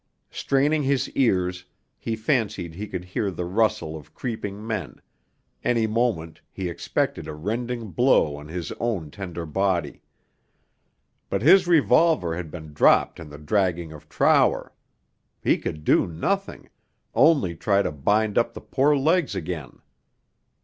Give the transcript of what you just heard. Straining his ears he fancied he could hear the rustle of creeping men, any moment he expected a rending blow on his own tender body. But his revolver had been dropped in the dragging of Trower. He could do nothing only try to bind up the poor legs again.